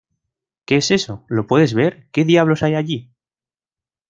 ¿ Qué es eso? ¿ lo puedes ver? ¿ qué diablos hay allí?